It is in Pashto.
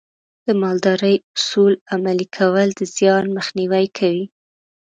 د مالدارۍ اصول عملي کول د زیان مخنیوی کوي.